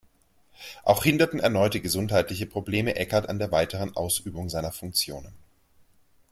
Auch hinderten erneute gesundheitliche Probleme Eckert an der weiteren Ausübung seiner Funktionen.